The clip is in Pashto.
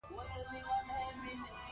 چاپېریال د هغوی په ګټه تنظیموي.